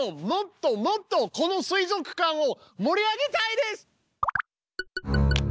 もっともっとこの水族館を盛り上げたいです！